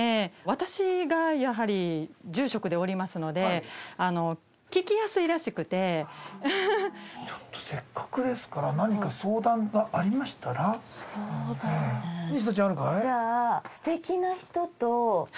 私が住職でおりますので聞きやすいらしくてちょっとせっかくですから何か相談がありましたら西野ちゃんあるかい？